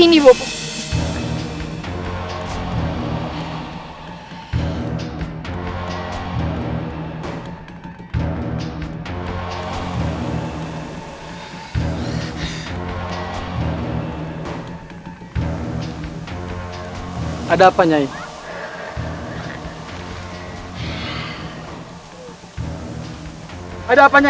tidak ada apa apa